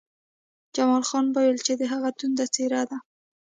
جمال خان وویل چې د هغه ټنډه څیرې ده